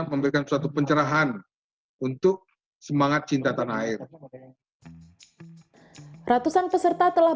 memberikan suatu pencerahan untuk semangat cinta tanah air ratusan peserta telah